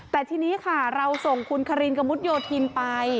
แต่ทีนี้ค่ะเราส่งคุณคารินกระมุดโยธินไป